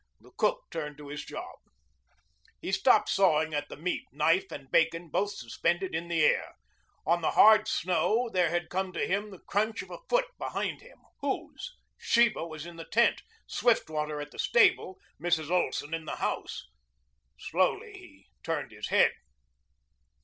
The cook turned to his job. He stopped sawing at the meat, knife and bacon both suspended in the air. On the hard snow there had come to him the crunch of a foot behind him. Whose? Sheba was in the tent, Swiftwater at the stable, Mrs. Olson in the house. Slowly he turned his head.